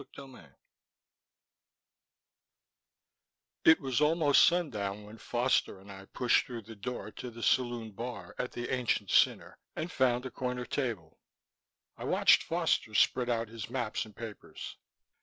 CHAPTER V It was almost sundown when Foster and I pushed through the door to the saloon bar at the Ancient Sinner and found a corner table. I watched Foster spread out his maps and papers.